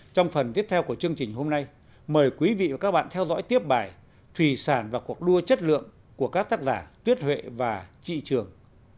trong phần tiếp theo của chương trình hôm nay mời quý vị và các bạn theo dõi tiếp bài thủy sản và cuộc đua chất lượng của các tác giả tuyết huệ và chị trường